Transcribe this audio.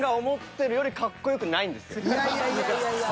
いやいやいやいや。